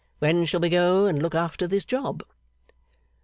When shall we go and look after this job?